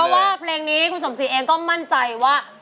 ว่าเพลงนี้คุณสมศรีเองก็มั่นใจว่า